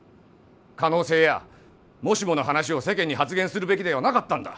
可能性やもしもの話を世間に発言するべきではなかったんだ！